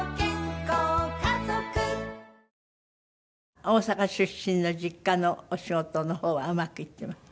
大阪出身の実家のお仕事の方はうまくいってます？